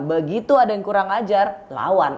begitu ada yang kurang ajar lawan